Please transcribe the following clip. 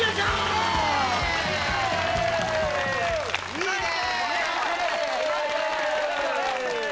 いいね！